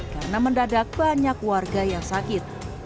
karena mendadak banyak warga yang sakit